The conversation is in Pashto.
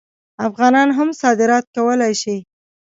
افغانان هم صادرات کولی شي.